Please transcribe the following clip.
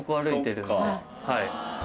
はい。